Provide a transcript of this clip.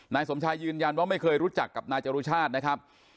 นายสมชายยืนยันว่าไม่เคยรู้จักกับนายจรุชาตินะครับ